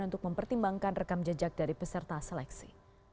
untuk mempertimbangkan rekam jejak dari peserta seleksi